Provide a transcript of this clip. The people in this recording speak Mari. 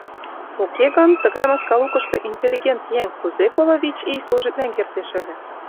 Уке гын, тыгай маска лукышто интеллигент еҥ кузе коло вич ий служитлен кертеш ыле?